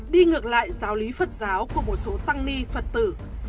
đi ngược lại giáo lý phật giáo của một số tăng ni phật tử